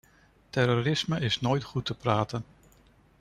Terrorisme is nooit goed te praten.